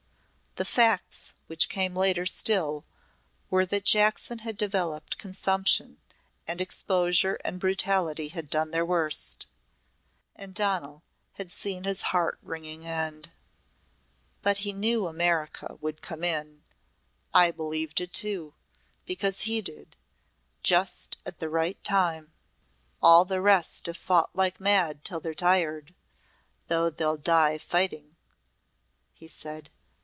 The facts which came later still were that Jackson had developed consumption, and exposure and brutality had done their worst. And Donal had seen his heart wringing end. "But he knew America would come in. I believed it too, because he did. Just at the right time. 'All the rest have fought like mad till they're tired though they'll die fighting,' he said.